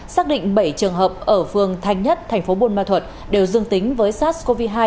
xác định bảy trường hợp ở phường thanh nhất tp bùn ma thuật đều dương tính với sars cov hai